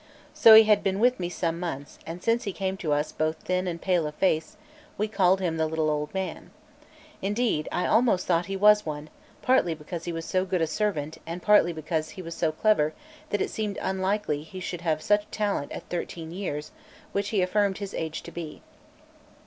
So he had been with me some months; and since he came to us both thin and pale of face, we called him "the little old man;" indeed I almost thought he was one, partly because he was so good a servant, and partly because he was so clever that it seemed unlikely he should have such talent at thirteen years, which he affirmed his age to be.